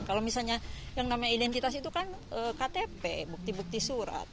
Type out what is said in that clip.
kalau misalnya yang namanya identitas itu kan ktp bukti bukti surat